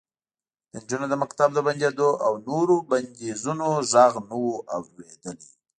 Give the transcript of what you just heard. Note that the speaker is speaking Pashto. د نجونو د مکتب د بندېدو او نورو بندیزونو غږ نه و اورېدلی